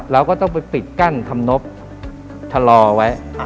เราก็ต้องไปปิดกั้นทำนบทชะลอไว้